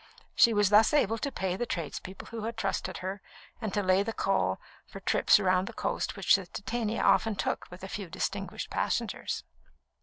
She was thus able to pay the tradespeople who had trusted her, and to lay in coal for the trips round the coast which the Titania often took with a few distinguished passengers.